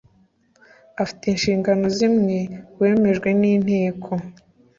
afite inshingano zimwe wemejwe n Inteko